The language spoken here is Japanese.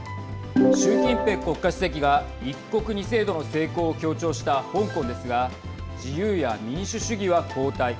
習近平国家主席が一国二制度の成功を強調した香港ですが自由や民主主義は後退。